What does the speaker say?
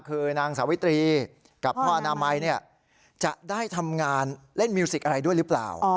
คือนางสาวิตรีกับพ่ออนามัยจะได้ทำงานเล่นมิวสิกอะไรด้วยหรือเปล่า